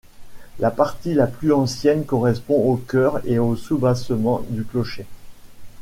La partie la plus ancienne correspond au chœur et au soubassement du clocher.